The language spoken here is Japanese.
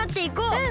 うん！